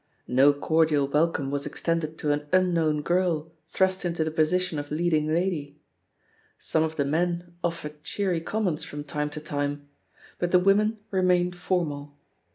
No cordial welcome was extended to an unknown girl thrust into the position of leading lady. Some of the men ofi^ered cheery comments from time to time, but the women re mained formal.